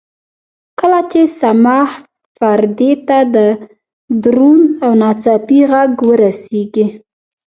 کله چې صماخ پردې ته دروند او ناڅاپي غږ ورسېږي.